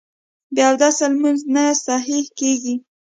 بې اودسه لمونځ نه صحیح کېږي